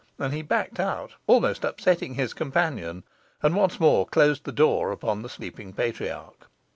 And he backed out, almost upsetting his companion, and once more closed the door upon the sleeping patriarch.